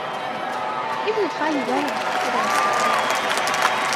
ابن خالي بارع في الخدع السحرية.